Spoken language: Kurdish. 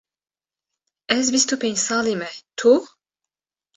Ez bîst û pênc salî me, tu?